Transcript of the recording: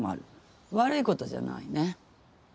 悪いことじゃないね。